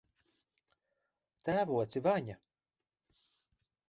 Tēvoci Vaņa!